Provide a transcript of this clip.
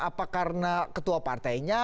apa karena ketua partainya